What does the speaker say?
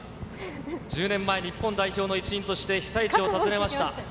１０年前、日本代表の一員として被災地を訪ねました。